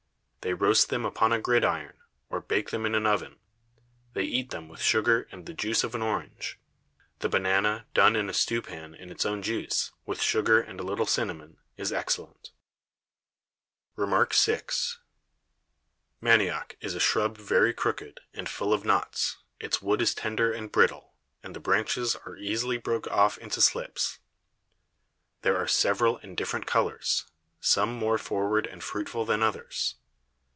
They roast them upon a Grid Iron, or bake them in an Oven, they eat them with Sugar and the Juice of an Orange. The Banane done in a Stew Pan in its own Juice, with Sugar and a little Cinnamon, is excellent. REMARK VI. Manioc is a Shrub very crooked, and full of Knots, its Wood is tender and brittle, and the Branches are easily broke off into Slips: There are several and different Colours, some more forward and fruitful than others.